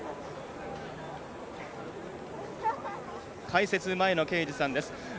解説は前野啓二さんです。